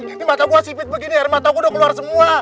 ini mata gue sipit begini air mataku udah keluar semua